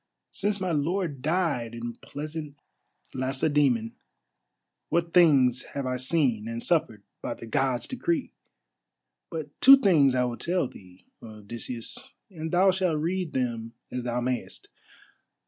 since my lord died in pleasant Lacedæmon, what things have I seen and suffered by the Gods' decree! But two things I will tell thee, Odysseus, and thou shalt read them as thou mayest.